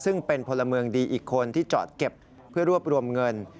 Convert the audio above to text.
ซึ่งเป็นพลเมืองดีอีกคนที่จอดเก็บเพื่อรวบรวมเงิน